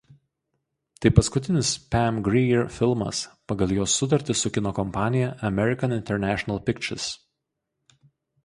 Tai paskutinis Pam Grier filmas pagal jos sutartį su kino kompanija „American International Pictures“.